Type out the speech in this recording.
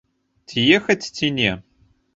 Ці ехаць, ці не?